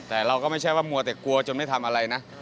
แต่เราก็ไม่ใช่ว่ามัวแต่กลัวจนไม่ทำอะไรนะ